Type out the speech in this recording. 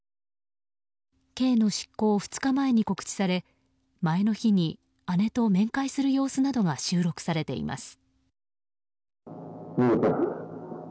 刑の執行２日前に告知され前の日に姉と面会する様子などが収録されています。